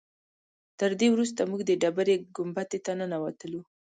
تر دې وروسته موږ د ډبرې ګنبدې ته ننوتلو.